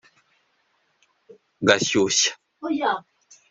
Gashyushya